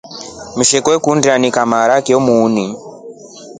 Msheku akundi anika maraki muuni.